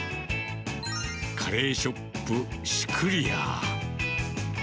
カレーショップ、シュクリア。